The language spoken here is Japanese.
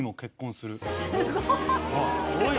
すごい。